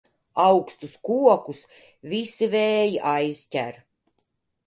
Augstus kokus visi vēji aizķer.